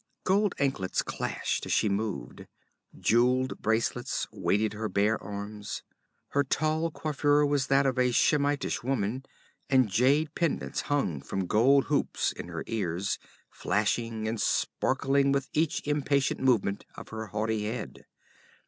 Gold anklets clashed as she moved, jeweled bracelets weighted her bare arms. Her tall coiffure was that of a Shemitish woman, and jade pendants hung from gold hoops in her ears, flashing and sparkling with each impatient movement of her haughty head.